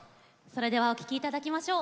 それではお聴きいただきましょう。